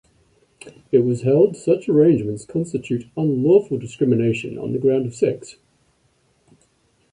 It was held such arrangements constitute unlawful discrimination on the ground of sex.